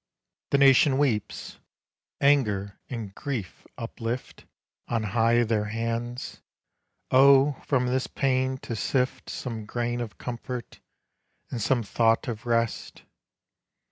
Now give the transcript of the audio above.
The nation weeps. Anger and grief uplift On high their hands; O from this pain to sift Some grain of comfort and some thought of rest!